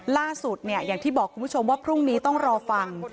ล่าสุดเนี่ยอย่างที่บอกคุณผู้ชมว่าพรุ่งนี้ต้องรอฟัง